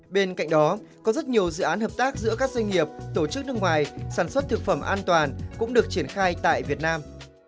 bên cạnh đó có rất nhiều dự án hợp tác giữa các doanh nghiệp tổ chức nước ngoài sản xuất thực phẩm an toàn cũng được triển khai tại việt nam